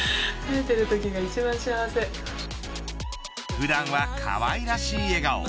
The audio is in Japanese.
普段はかわいらしい笑顔。